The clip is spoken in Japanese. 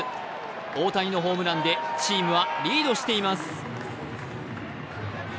大谷のホームランでチームはリードしています。